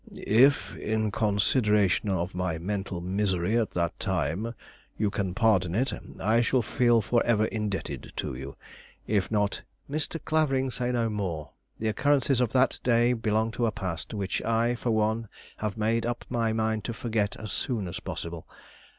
If, in consideration of my mental misery at that time, you can pardon it, I shall feel forever indebted to you; if not " "Mr. Clavering, say no more. The occurrences of that day belong to a past which I, for one, have made up my mind to forget as soon as possible.